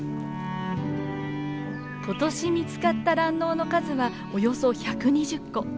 今年見つかった卵のうの数はおよそ１２０個。